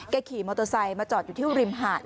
ขี่มอเตอร์ไซค์มาจอดอยู่ที่ริมหาด